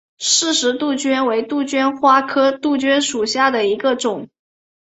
饰石杜鹃为杜鹃花科杜鹃属下的一个种。